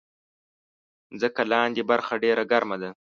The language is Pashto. مځکه لاندې برخه ډېره ګرمه ده.